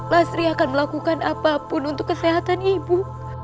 lasri akan melakukan apapun untuk kesehatan ibu